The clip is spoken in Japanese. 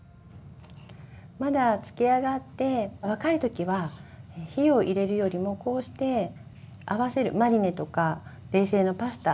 まだ漬け上がって若い時は火を入れるよりもこうしてあわせるマリネとか冷製のパスタ。